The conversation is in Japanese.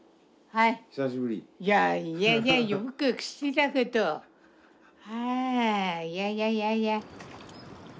はぁあいやいやいやいや。